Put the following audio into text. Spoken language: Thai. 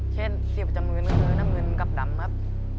เช่นเสียบจำมืนมื้อน้ำมืนกับดำครับ